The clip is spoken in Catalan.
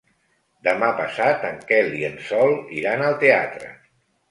Demà passat en Quel i en Sol iran al teatre.